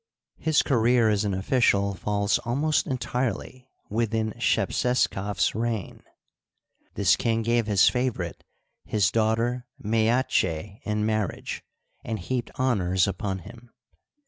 His career as an official falls almost en tirely within Shepseskaf s reign. This king gave his favor ite his daughter Mdatchd in marriage, and heaped honors upon him.